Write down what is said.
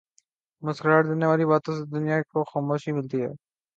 مسکراہٹ دینے والی باتوں سے دنیا کو خوشی ملتی ہے۔